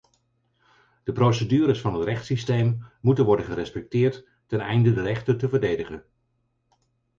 De procedures van het rechtssysteem moeten worden gerespecteerd teneinde de rechten te verdedigen...